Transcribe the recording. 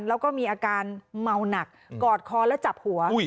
แล้วก็มีอาการเมาหนักกอดคอแล้วจับหัว